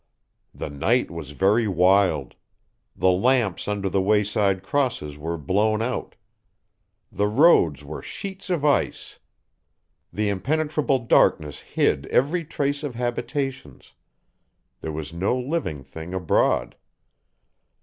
The night was very wild. The lamps under the wayside crosses were blown out; the roads were sheets of ice; the impenetrable darkness hid every trace of habitations; there was no living thing abroad.